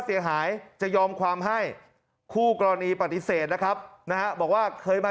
เสียหายจะยอมความให้คู่กรณีปฏิเสธนะครับนะฮะบอกว่าเคยมา